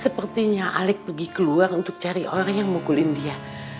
sepertinya alec pergi keluar untuk cari orang yang mukulin dia